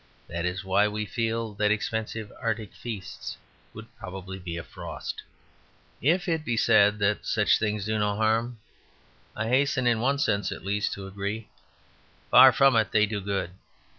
That is why we feel that expensive Arctic feasts would probably be a frost. If it be said that such things do no harm, I hasten, in one sense, at least, to agree. Far from it; they do good.